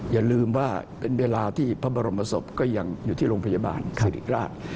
อย่าลืมว่าเป็นเวลาที่พระบรมศพก็ยังอยู่ที่โรงพยาบาลคาริราช